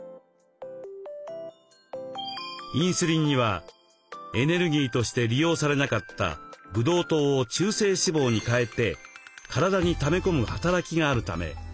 インスリンにはエネルギーとして利用されなかったブドウ糖を中性脂肪に変えて体にため込む働きがあるため太ってしまうのです。